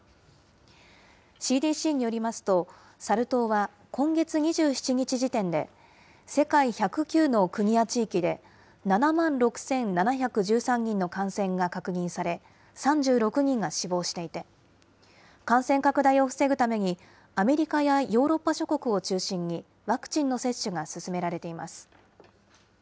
ＣＤＣによりますと、サル痘は今月２７日時点で、世界１０９の国や地域で、７万６７１３人の感染が確認され、３６人が死亡していて、感染拡大を防ぐために、アメリカやヨーロッパ諸国を中心に、ワクチンの接種が進められています。